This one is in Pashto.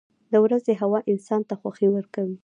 • د ورځې هوا انسان ته خوښي ورکوي.